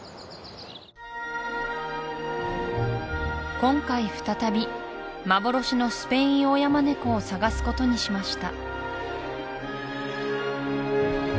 今回再び幻のスペインオオヤマネコを探すことにしました